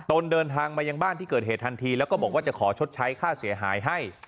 เดินทางมายังบ้านที่เกิดเหตุทันทีแล้วก็บอกว่าจะขอชดใช้ค่าเสียหายให้